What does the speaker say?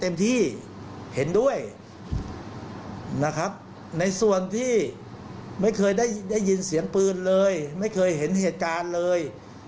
ไม่เคยได้ยินเหตุการณ์เลย